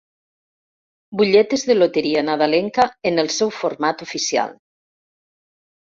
Butlletes de loteria nadalenca en el seu format oficial.